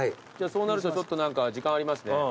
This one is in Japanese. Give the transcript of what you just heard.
じゃあそうなるとちょっと時間ありますね。